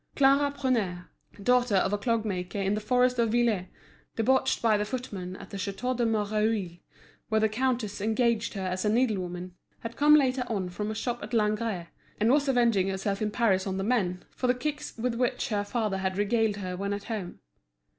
Clara Prunaire, daughter of a clog maker in the forest of Vilet, debauched by the footmen at the Château de Mareuil, where the countess engaged her as needlewoman, had come later on from a shop at Langres, and was avenging herself in Paris on the men for the kicks with which her father had regaled her when at home.